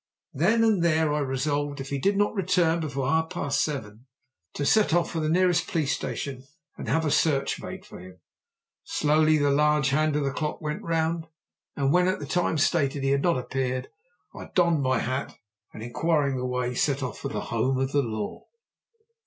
Then and there I resolved, if he did not return before half past seven, to set off for the nearest police station and have a search made for him. Slowly the large hand of the clock went round, and when, at the time stated, he had not appeared, I donned my hat and, inquiring the way, set off for the home of the law.